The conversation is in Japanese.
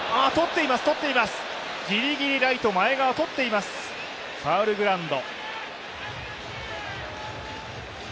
とっています、ギリギリ、ライト、前川とっています、ファウルグラウンド。